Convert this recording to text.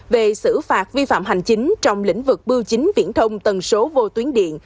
về xử phạt vi phạm hành chính trong lĩnh vực bưu chính viễn thông tần số vô tuyến điện